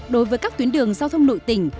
đối với các tuyến đường giao thông nội tỉnh